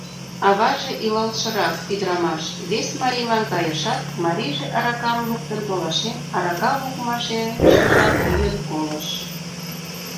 Аваже, илалшырак ӱдырамаш, вес марийлан кайышат, марийже аракам луктын толашен, арака лукмашешыжак йӱын колыш.